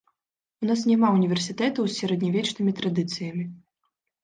У нас няма ўніверсітэтаў з сярэднявечнымі традыцыямі.